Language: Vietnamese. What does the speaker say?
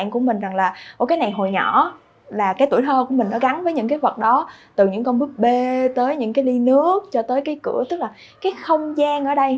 cái cửa tức là cái không gian ở đây